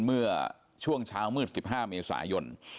เมื่อช่วงเช้ามืด๑๕เมษายน